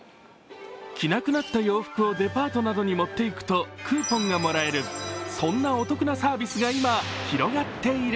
着なくなった洋服をデパートなどに持っていくとクーポンがもらえるそんなお得なサービスが今、広がっている。